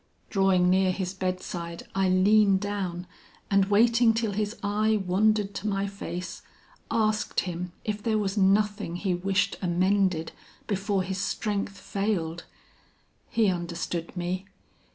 Drawing near his bedside, I leaned down, and waiting till his eye wandered to my face, asked him if there was nothing he wished amended before his strength failed. He understood me.